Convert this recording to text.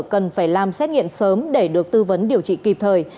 cần phải làm xét nghiệm sớm để được tư vấn điều trị kịp thời